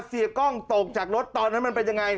เสียกล้องตกจากรถตอนนั้นมันเป็นยังไง